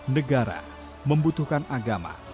negara membutuhkan agama